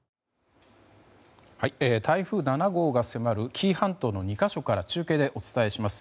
台風７号が迫る紀伊半島の２か所から中継でお伝えします。